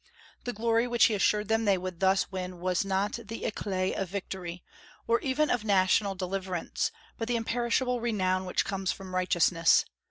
The glory which he assured them they would thus win was not the éclat of victory, or even of national deliverance, but the imperishable renown which comes from righteousness.